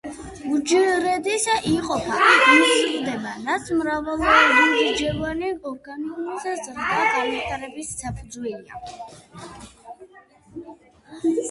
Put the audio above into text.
უჯრედი იყოფა, იზრდება რაც მრავალუჯრედიანი ორგანიზმების ზრდა-განვითარების საფუძველია.